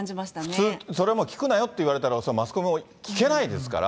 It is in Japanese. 普通、それも聞くなよって言われたらマスコミも聞けないですから。